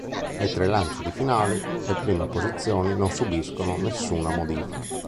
Nei tre lanci di finale le prime posizioni non subiscono nessuna modifica.